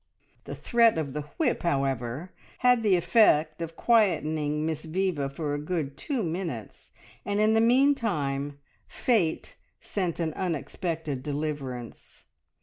The threat of the whip, however, had the effect of quietening Miss Viva for a good two minutes, and in the meantime Fate sent an unexpected deliverance.